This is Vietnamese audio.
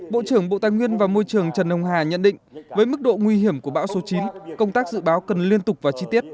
bộ trưởng bộ tài nguyên và môi trường trần hồng hà nhận định với mức độ nguy hiểm của bão số chín công tác dự báo cần liên tục và chi tiết